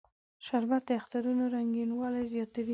شربت د اخترونو رنگینوالی زیاتوي